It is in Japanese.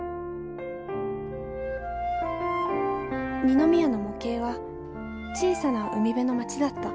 二宮の模型は小さな海辺の街だった。